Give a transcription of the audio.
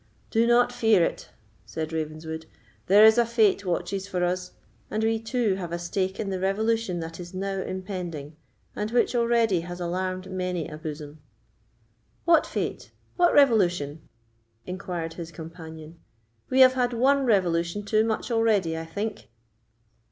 "Do not fear it," said Ravenswood; "there is a fate watches for us, and we too have a stake in the revolution that is now impending, and which already has alarmed many a bosom." "What fate—what revolution?" inquired his companion. "We have had one revolution too much already, I think."